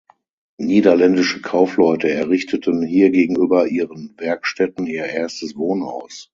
Niederländische Kaufleute errichteten hier gegenüber ihren Werkstätten ihr erstes Wohnhaus.